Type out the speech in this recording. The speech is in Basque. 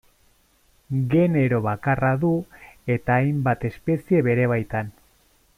Genero bakarra du eta hainbat espezie bere baitan.